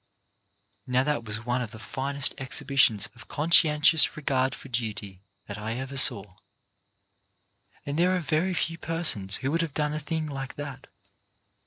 Now that was one of the finest exhibitions of conscientious regard for duty that I ever saw, and there are very few persons who would have done a thing like that.